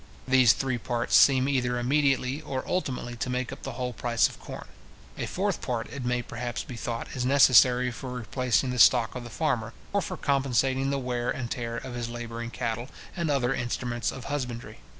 These three parts seem either immediately or ultimately to make up the whole price of corn. A fourth part, it may perhaps be thought is necessary for replacing the stock of the farmer, or for compensating the wear and tear of his labouring cattle, and other instruments of husbandry.